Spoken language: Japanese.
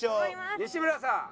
西村さん。